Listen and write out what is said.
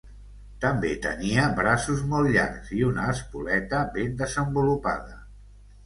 També tenia braços molt llargs i una espoleta ben desenvolupada.